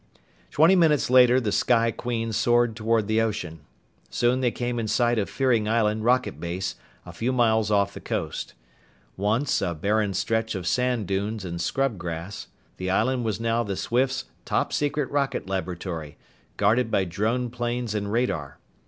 Twenty minutes later the Sky Queen soared toward the ocean. Soon they came in sight of Fearing Island rocket base, a few miles off the coast. Once a barren stretch of sand dunes and scrub grass, the island was now the Swifts' top secret rocket laboratory, guarded by drone planes and radar.